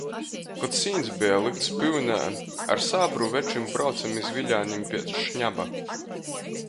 Kod sīns beja lykts pyunē, ar sābru večim braucem iz Viļānim piec šņaba.